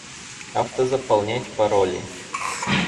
Автозаполнять пароли